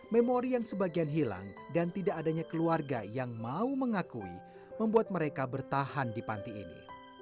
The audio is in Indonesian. memori yang sebagian hilang dan tidak adanya keluarga yang mau mengakui membuat mereka bertahan di panti ini